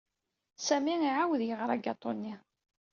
Sami iɛawed yeɣra agatu-nni.